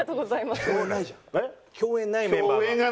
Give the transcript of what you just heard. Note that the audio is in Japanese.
共演ないメンバーが。